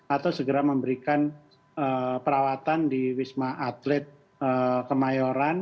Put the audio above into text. atau segera memberikan perawatan di wisma atlet kemayoran